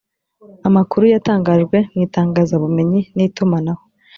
amakuru yatangajwe mu itangazabumenyi n’itumanaho